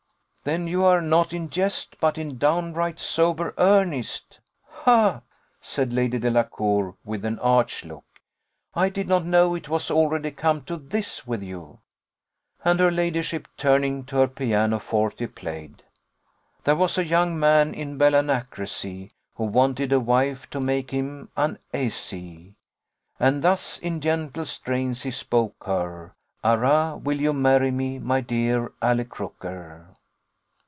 '" "Then you are not in jest, but in downright sober earnest? Ha!" said Lady Delacour, with an arch look, "I did not know it was already come to this with you." And her ladyship, turning to her piano forte, played "There was a young man in Ballinacrasy, Who wanted a wife to make him un_asy_, And thus in gentle strains he spoke her, Arrah, will you marry me, my dear Ally Croker?"